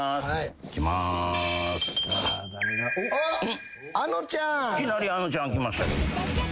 いきなりあのちゃんきました。